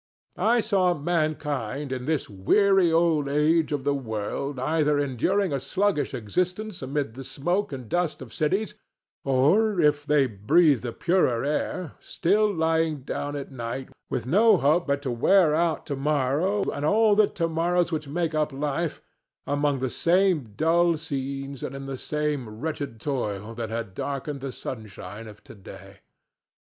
I saw mankind in this weary old age of the world either enduring a sluggish existence amid the smoke and dust of cities, or, if they breathed a purer air, still lying down at night with no hope but to wear out to morrow, and all the to morrows which make up life, among the same dull scenes and in the same wretched toil that had darkened the sunshine of today.